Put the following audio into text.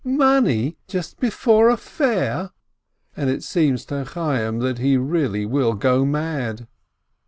Money — just before a fair ?" And it seems to Chayyim that he really will go mad.